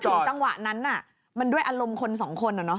พอถึงจังหวะนั้นมันด้วยอารมณ์คน๒คนหรอ